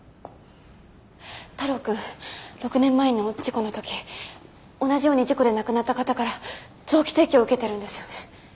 太郎君６年前の事故の時同じように事故で亡くなった方から臓器提供受けてるんですよね。